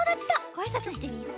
ごあいさつしてみよう！